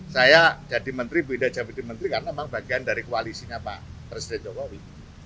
saya jadi menteri beda jadi menteri karena memang bagian dari koalisinya pak presiden jokowi